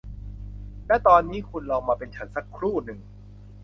และตอนนี้คุณลองมาเป็นฉันสักครู่หนึ่ง